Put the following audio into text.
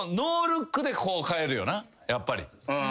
やっぱり。